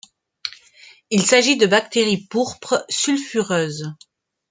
Il s'agit de bactéries pourpres sulfureuses.